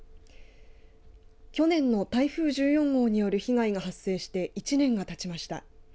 去年の台風１４号による被害が発生して１年がたちました。